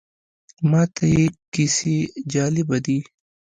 ماته یې کیسې جالبه دي.